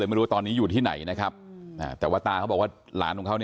ก็เลยไม่รู้ว่าตอนนี้อยู่ที่ไหนนะครับแต่ว่าตาเขาบอกว่า